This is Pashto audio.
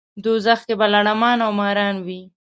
دوزخ کې به لړمان او ماران وي.